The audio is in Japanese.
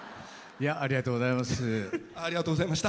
ありがとうございます。